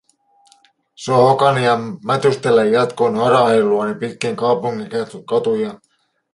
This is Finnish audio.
Sohokania mätystellen jatkoin harhailuani pitkin kaupungin katuja.